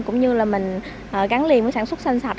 cũng như là mình gắn liền với sản xuất xanh sạch